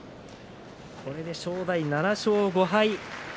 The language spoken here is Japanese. これで正代、７勝５敗。